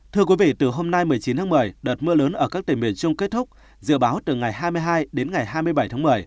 thưa quý vị từ hôm nay một mươi chín tháng một mươi đợt mưa lớn ở các tỉnh miền trung kết thúc dự báo từ ngày hai mươi hai đến ngày hai mươi bảy tháng một mươi